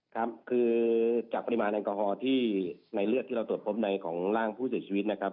ครับคือจากปริมาณแอลกอฮอล์ที่ในเลือดที่เราตรวจพบในของร่างผู้เสียชีวิตนะครับ